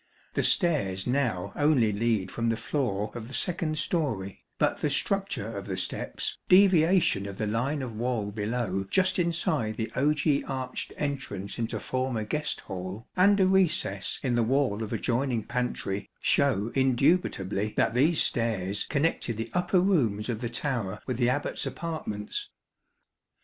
The stairs now only lead from the floor of the second storey, but the structure of the steps, deviation of the line of wall below just inside the ogee arched entrance into former guest hall, and a recess in the wall of adjoining pantry, show indubitably that these stairs connected the upper rooms of the tower with the Abbat's apartments.